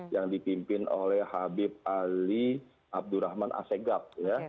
yang dipimpin oleh habib ali abdurrahman asegab